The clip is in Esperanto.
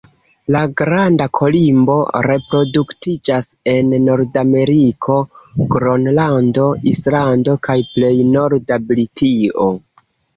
La Granda kolimbo reproduktiĝas en Nordameriko, Gronlando, Islando, kaj plej norda Britio.